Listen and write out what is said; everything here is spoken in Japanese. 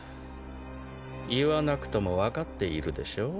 言わなくとも分かっているでしょう？